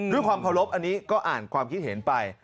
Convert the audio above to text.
ด้วยความเคารพอันนี้ก็อ่านความคิดเห็นไป